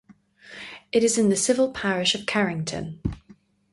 It is in the civil parish of Carrington.